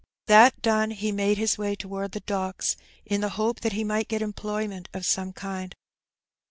That done, he made his way toward the docks, in the hope tiiat he might get employment of some kind.